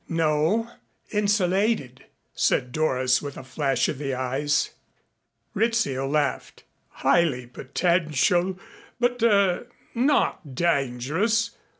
"No, insulated," said Doris with a flash of the eyes. Rizzio laughed. "Highly potential but er not dangerous.